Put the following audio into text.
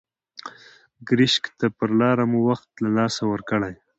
ګرشک ته پر لاره مو وخت له لاسه ورکړی.